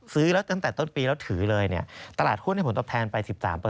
ซื้อแล้วตั้งแต่ต้นปีแล้วถือเลยตลาดหุ้นให้ผลตอบแทนไป๑๓